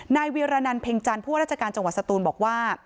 เวียรนันเพ็งจันทร์ผู้ว่าราชการจังหวัดสตูนบอกว่า